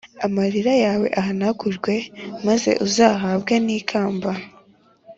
Amarira yawe ahanagurwe maz’ uzahabwe n ‘ikamba